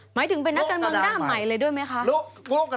หมายถึงเป็นนักการเมืองหน้าใหม่เลยด้วยไหมคะ